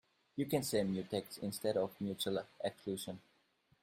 You can say mutex instead of mutual exclusion.